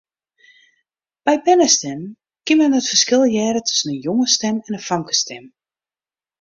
By bernestimmen kin men min it ferskil hearre tusken in jongesstim en in famkesstim.